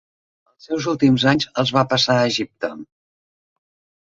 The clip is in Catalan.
Els seus últims anys els va passar a Egipte.